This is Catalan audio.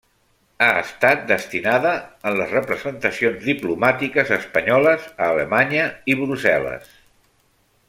Ha estat destinada en les representacions diplomàtiques espanyoles a Alemanya i Brussel·les.